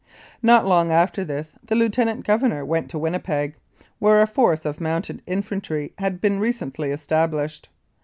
Not long after this the Lieutenant Governor went to Winnipeg, where a force of Mounted Infantry had been recently established.